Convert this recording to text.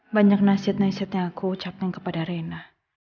banyak nasib nasibnya aku ucapkan kepada reina